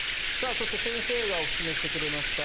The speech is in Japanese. そして、先生がおすすめしてくれました